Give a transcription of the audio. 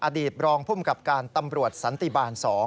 อดีตรองภูมิกับการตำรวจสันติบาล๒